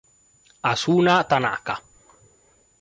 Asuna Tanaka